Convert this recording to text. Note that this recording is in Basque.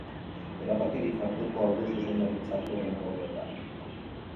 Erabakirik hartuko al du zuzendaritzak hurrengo orduetan?